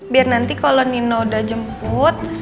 biar nanti kalau nino udah jemput